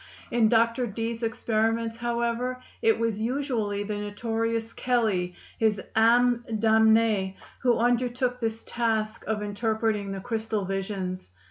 In Dr. Dee's experiments, however, it was usually the notorious Kelley, his âme damnée, who undertook this task of interpreting the crystal visions.